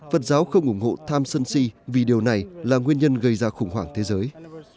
phật giáo không ủng hộ tham sơn si vì điều này là nguyên nhân gây ra khủng hoảng thế giới